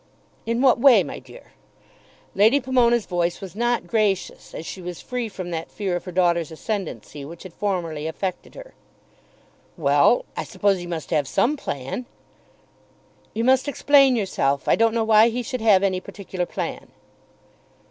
"In what way, my dear?" Lady Pomona's voice was not gracious, as she was free from that fear of her daughter's ascendancy which had formerly affected her. "Well; I suppose he must have some plan." "You must explain yourself. I don't know why he should have any particular plan."